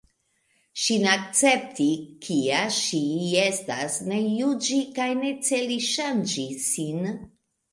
Ŝin akcepti, kia ŝi estas, ne juĝi kaj ne celi ŝanĝi ŝin.